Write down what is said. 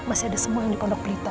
masih ada semua yang di pondok blitar